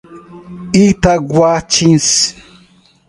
Itaguatins